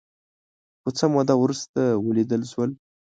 خو څه موده وروسته ولیدل شول